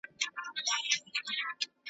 پر ټولۍ باندي راغلی یې اجل دی .